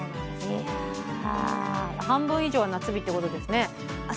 今月、半分以上は夏日ということですね。